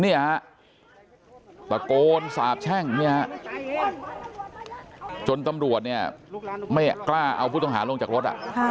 นี่ฮะประโกนสาบแช่งจนตำรวจไม่กล้าเอาผู้ต้องหาลงจากรถ